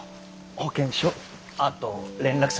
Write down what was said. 保険証あと連絡先も。